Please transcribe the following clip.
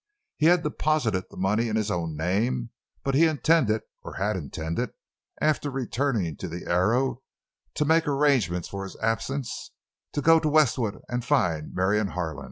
He had deposited the money in his own name, but he intended—or had intended—after returning to the Arrow to make arrangements for his absence, to go to Westwood to find Marion Harlan.